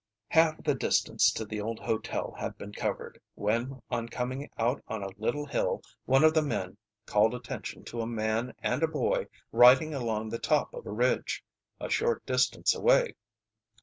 Half of the distance to the old hotel had been covered, when on coming out on a little hill one of the men called attention to a man and a boy riding along the top of a ridge, a short distance away.